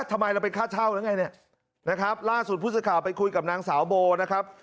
ทำไมเราเป็นค่าเช่าแล้วไงเนี่ยนะครับล่าสุดผู้สื่อข่าวไปคุยกับนางสาวโบนะครับ